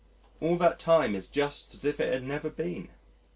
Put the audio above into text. All that time is just as if it had never been.